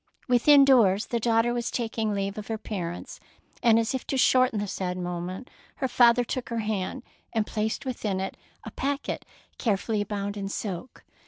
Within doors the daughter was tak ing leave of her parents, and as if to shorten the sad moment, her father took her hand, and placed within it a packet carefully bound in silk.